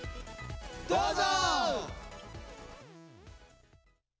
どうぞ！